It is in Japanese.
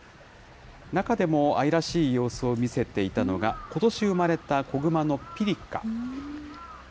中でも愛らしい様子を見せていたのが、ことし生まれた子グマのピリカ。